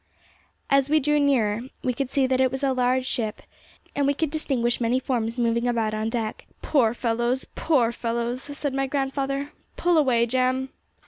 As we drew nearer, we could see that it was a large ship, and we could distinguish many forms moving about on deck. 'Poor fellows! poor fellows!' said my grandfather. 'Pull away, Jem!'